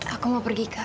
aku mau pergi kak